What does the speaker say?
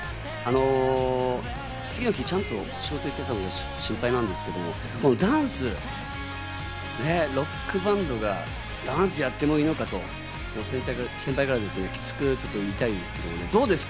次の日、ちゃんと仕事に行っていたか心配なんですけど、このダンス、ロックバンドがダンスをやってもいいのかと、先輩からきつく言いたいですけど、どうですか？